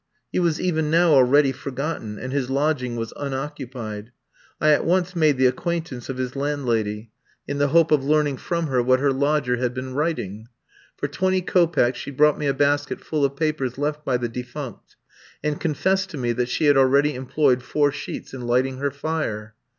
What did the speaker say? He was even now already forgotten, and his lodging was unoccupied. I at once made the acquaintance of his landlady, in the hope of learning from her what her lodger had been writing. For twenty kopecks she brought me a basket full of papers left by the defunct, and confessed to me that she had already employed four sheets in lighting her fire.